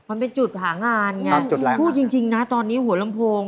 มันเป็นจุดหางานไงพูดจริงนะตอนนี้หัวลำโพง